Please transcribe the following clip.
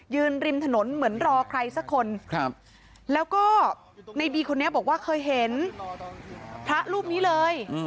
ริมถนนเหมือนรอใครสักคนแล้วก็ในบีคนนี้บอกว่าเคยเห็นพระรูปนี้เลย